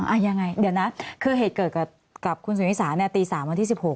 อ่ะยังไงเดี๋ยวนะคือเหตุเกิดกับคุณสุนิสาเนี่ยตี๓วันที่๑๖